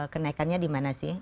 kenaikannya di mana sih